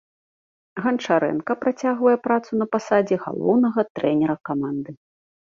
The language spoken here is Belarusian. Ганчарэнка працягвае працу на пасадзе галоўнага трэнера каманды.